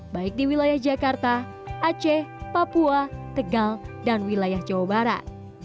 baik di wilayah jakarta aceh papua tegal dan wilayah jawa barat